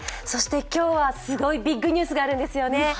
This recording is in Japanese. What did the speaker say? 今日はすごいビッグニュースがあるんですよね。